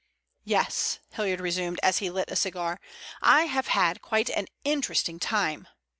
"Yes," Hilliard resumed as he lit a cigar, "I have had quite an interesting time.